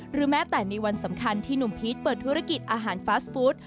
แม้แต่ในวันสำคัญที่หนุ่มพีชเปิดธุรกิจอาหารฟาสฟู้ด